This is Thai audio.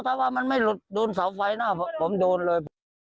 เพราะว่ามันไม่หลุดโดนเสาไฟหน้าผมโดนเลย